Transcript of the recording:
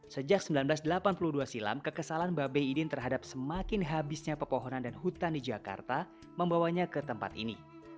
sejak seribu sembilan ratus delapan puluh dua silam kekesalan babeh idin terhadap semakin habisnya pepohonan dan hutan di jakarta membawanya ke tempat ini